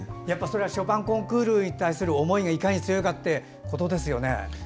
やっぱり、それはショパンコンクールに対する思いがいかに強いかってことですよね。